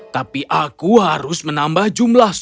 tapi aku harus menambah jumlahnya